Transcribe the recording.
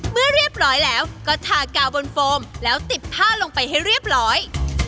เรียบร้อยแล้วก็ทากาวบนโฟมแล้วติดผ้าลงไปให้เรียบร้อย